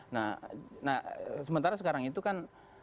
nah sementara sekarang itu kan